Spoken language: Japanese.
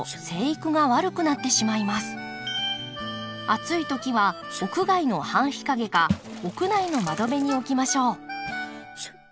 暑い時は屋外の半日陰か屋内の窓辺に置きましょう。